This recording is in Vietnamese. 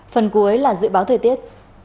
phần cuối là dự báo thời tiết